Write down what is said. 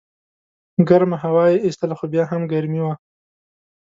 ګرمه هوا یې ایستله خو بیا هم ګرمي وه.